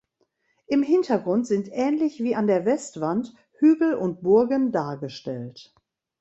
Im Hintergrund sind ähnlich wie an der Westwand Hügel und Burgen dargestellt.